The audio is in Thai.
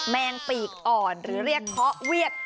แมงปีกอ่อนหรือเรียกเคาะเวียด